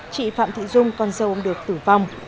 chị phạm thị dung con dâu ông được tử vong